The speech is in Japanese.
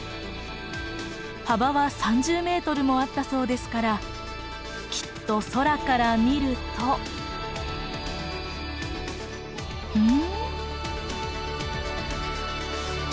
幅は３０メートルもあったそうですからきっと空から見るとうん？